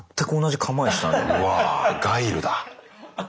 うわぁガイルだ。